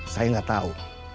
saya gak tau